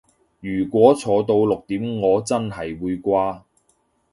如果坐到六點我真係會瓜